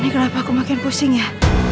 ini kenapa aku makin pusing ya